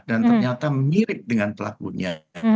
dan ternyata mirip dengan pelakunya